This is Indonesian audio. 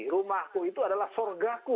rumahku itu adalah sorgaku